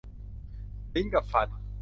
ลิ้นกับฟัน